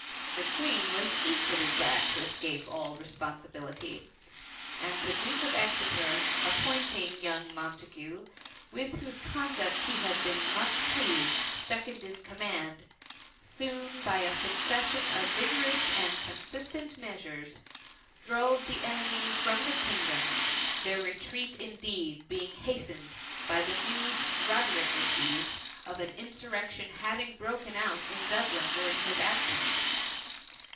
The Queen was equally glad to escape all responsibility; and the Duke of Exeter, appointing young Montagu, with whose conduct he had been much pleased, second in command, soon, by a succession of vigorous and consistent measures, drove the enemy froiii the kingdom: their retreat in deed being hastened by the news Roderick received of an insurrection having broken out in Dublin during his absence.